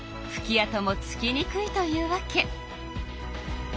あともつきにくいというわけ。